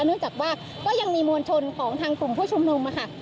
เนื่องจากว่าก็ยังมีมวลชนของทางกลุ่มผู้ชุมนุมค่ะ